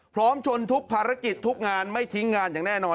พร้อมชนทุกภารกิจทุกงานไม่ทิ้งงานอย่างแน่นอน